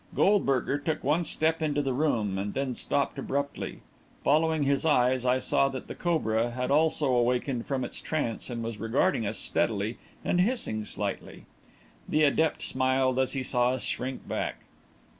Goldberger took one step into the room, and then stopped abruptly. Following his eyes, I saw that the cobra had also awakened from its trance, and was regarding us steadily and hissing slightly. The adept smiled as he saw us shrink back.